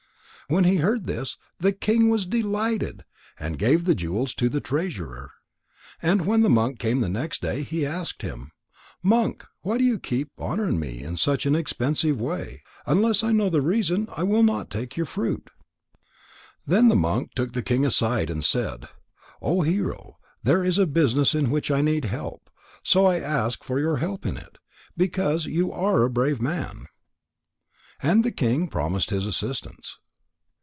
When he heard this, the king was delighted, and gave the jewels to the treasurer. And when the monk came the next day, he asked him: "Monk, why do you keep honouring me in such an expensive way? Unless I know the reason, I will not take your fruit." Then the monk took the king aside and said: "O hero, there is a business in which I need help. So I ask for your help in it, because you are a brave man." And the king promised his assistance.